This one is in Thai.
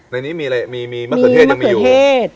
ในนี้มีอะไรมีมะเขือเทศยังมีอยู่